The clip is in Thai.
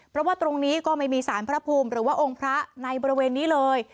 เพราะว่าตรงนี้ก็ไม่มีสารพระภูมิหรือว่าองค์พระในบริเวณนี้เลย